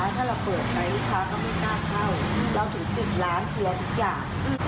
ถ้าเราเปิดไปเราจะปิดร้านเธอทุกอย่าง